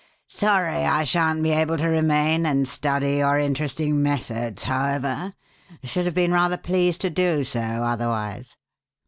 "Sorry I shan't be able to remain and study your interesting methods, however. Should have been rather pleased to do so, otherwise."